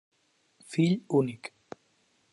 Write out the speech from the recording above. Fill únic.